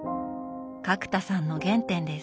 角田さんの原点です。